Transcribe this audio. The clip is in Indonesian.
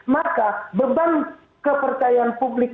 maka beban kepercayaan publik